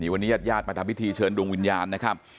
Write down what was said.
วันนี้ญาติญาติมาทำพิธีเชิญดวงวิญญาณนะครับ